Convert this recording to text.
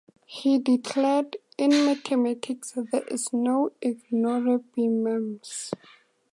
He declared, "In mathematics there is no "ignorabimus".